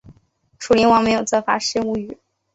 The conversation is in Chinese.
楚灵王没有责罚申无宇。